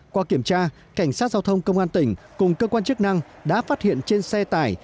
qua kiểm tra cảnh sát giao thông công an tỉnh cùng cơ quan chức năng đã phát hiện trên xe tải